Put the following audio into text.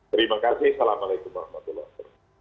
terima kasih assalamualaikum warahmatullahi wabarakatuh